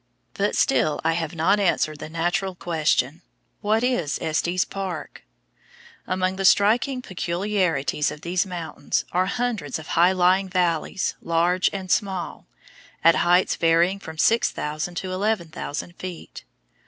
But still I have not answered the natural question, "What is Estes Park?" Among the striking peculiarities of these mountains are hundreds of high lying valleys, large and small, at heights varying from 6,000 to 11,000 feet.